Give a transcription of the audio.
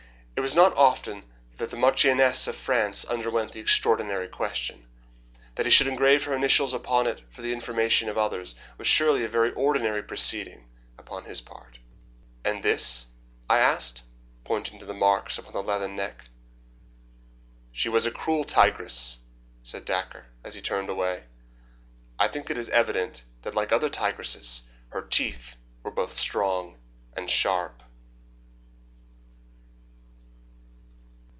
It was not often that a marchioness of France underwent the extraordinary question. That he should engrave her initials upon it for the information of others was surely a very ordinary proceeding upon his part." "And this?" I asked, pointing to the marks upon the leathern neck. "She was a cruel tigress," said Dacre, as he turned away. "I think it is evident that like other tigresses her teeth were both strong and sharp."